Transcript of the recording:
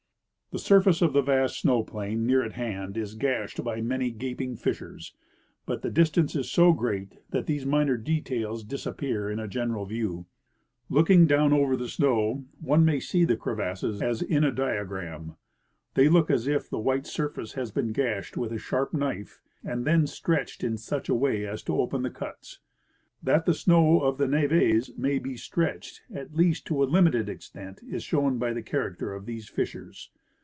The surface of the vast snow plain near at hand is gashed by many gaping fissures, but the distance is so great that these minor details disappear in a general view. Looking clowai over the snow, one may see the crevasses as in a diagram. They look as if the white surface had been gashed with a sharp knife, and then stretched in such a way as to oj^en the cuts. That the snow of the neves may be stretched, at least to a limited extent, is shown by the character of these fissures.